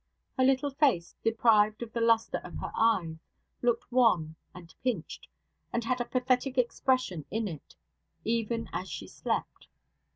Her little face, deprived of the lustre of her eyes, looked wan and pinched, and had a pathetic expression in it, even as she slept.